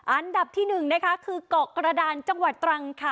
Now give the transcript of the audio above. อันดับที่๑นะคะคือเกาะกระดานจังหวัดตรังค่ะ